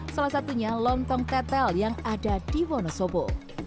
salah satunya lontong tetel yang ada di wonosobo